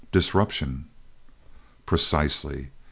"Disruption." "Precisely.